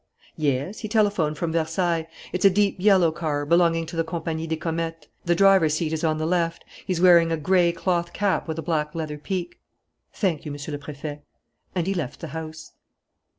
"Yes, he telephoned from Versailles. It's a deep yellow car, belonging to the Compagnie des Comètes. The driver's seat is on the left. He's wearing a gray cloth cap with a black leather peak." "Thank you, Monsieur le Préfet." And he left the house.